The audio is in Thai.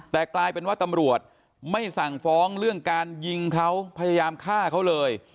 แต่กลายเป็นว่าตำรวจไม่สั่งฟ้องเรื่องการยิงเขาพยายามฆ่าเขาเลย